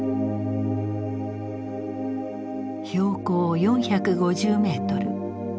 標高４５０メートル。